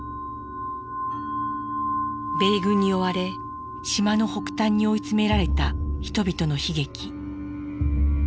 米軍に追われ島の北端に追い詰められた人々の悲劇。